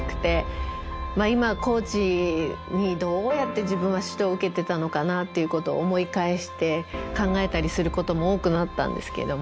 今コーチにどうやって自分は指導を受けてたのかなっていうことを思い返して考えたりすることも多くなったんですけども。